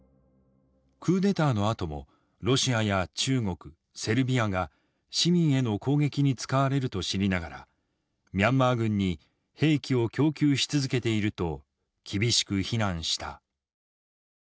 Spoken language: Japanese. クーデターのあともロシアや中国セルビアが市民への攻撃に使われると知りながらミャンマー軍に兵器を供給し続けていると厳しく非難した。